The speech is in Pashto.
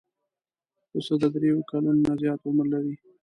پسه د درېیو کلونو نه زیات عمر لري.